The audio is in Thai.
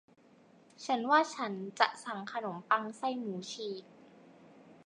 ฉันว่าฉันจะสั่งขนมปังไส้หมูฉีก